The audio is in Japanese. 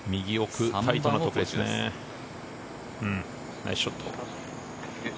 ナイスショット。